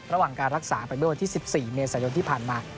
ระหว่างการรักษาไปเมื่อวันที่๑๔เมษายนที่ผ่านมา